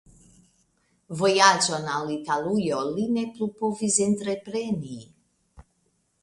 Vojaĝon al Italujo li ne plu povis entrepreni.